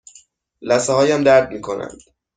لثه هایم درد می کنند.